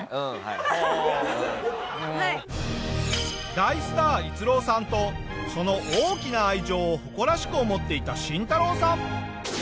大スター逸郎さんとその大きな愛情を誇らしく思っていたシンタロウさん。